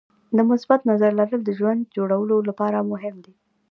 د مثبت نظر لرل د ژوند جوړولو لپاره مهم دي.